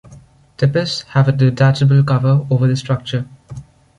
Tipis have a detachable cover over the structure.